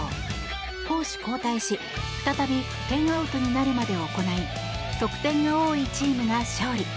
攻守交代し再び１０アウトになるまで行い得点が多いチームが勝利。